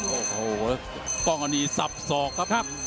โอ้โหป้องอันนี้สับสอกครับ